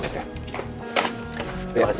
terima kasih pak